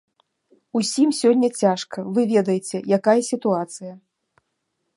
Усім сёння цяжка, вы ведаеце, якая сітуацыя.